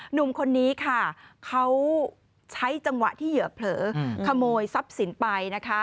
หนุ่มคนนี้ค่ะเขาใช้จังหวะที่เหยื่อเผลอขโมยทรัพย์สินไปนะคะ